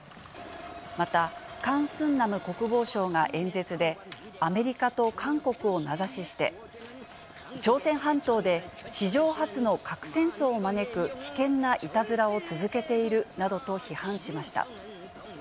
また、カン・スンナム国防相が演説で、アメリカと韓国を名指しして、朝鮮半島で、史上初の核戦争を招く危険ないたずらを続けているなどと批判しました。